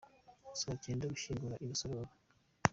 – Saa cyenda: Gushyingura i Rusororo.